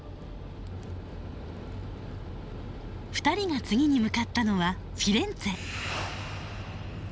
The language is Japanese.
２人が次に向かったのはフィレンツェ。